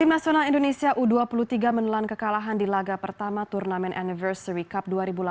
tim nasional indonesia u dua puluh tiga menelan kekalahan di laga pertama turnamen anniversary cup dua ribu delapan belas